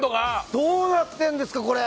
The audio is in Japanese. どうなってるんですかこれは。